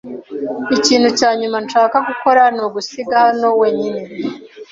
Ikintu cya nyuma nshaka gukora ni ugusiga hano wenyine.